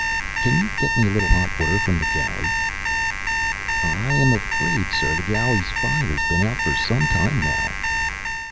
"Can you get me a little hot water from the galley?" "I am afraid, sir, the galley fire's been out for some time now."